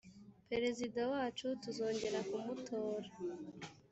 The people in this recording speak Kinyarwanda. prezida wcu tuzongera ku mutora